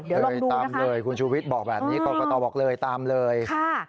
เดี๋ยวลองดูนะคะคุณชูวิทย์บอกแบบนี้กรกตบอกเลยตามเลยค่ะ